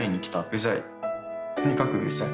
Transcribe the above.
うざいとにかくうざい。